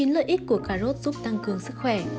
lợi ích của cà rốt giúp tăng cường sức khỏe